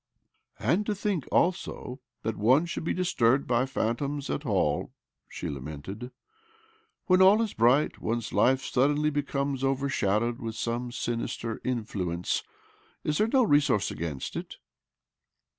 "And to think, also, that one should be disturbed by phantoms at all I " she lamented. ' When all is bright, one's life suddenly becomes overshadowed with some sinister influence. Is there no resource against it?"